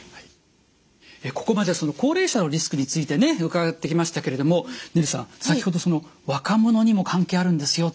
ここまでその高齢者のリスクについてね伺ってきましたけれどもねるさん先ほど若者にも関係あるんですよって話覚えてます？